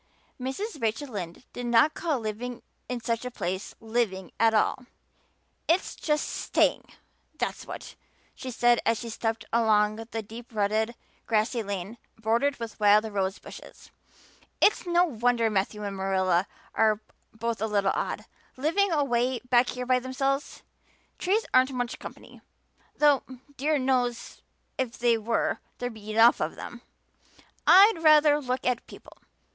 Mrs. Rachel Lynde did not call living in such a place living at all. "It's just staying, that's what," she said as she stepped along the deep rutted, grassy lane bordered with wild rose bushes. "It's no wonder Matthew and Marilla are both a little odd, living away back here by themselves. Trees aren't much company, though dear knows if they were there'd be enough of them. I'd ruther look at people.